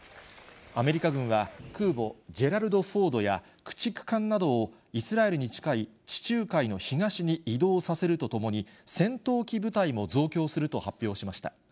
アメリカ軍は、空母ジェラルド・フォードや、駆逐艦などを、イスラエルに近い地中海の東に移動させるとともに、戦闘機部隊も増強すると発表しました。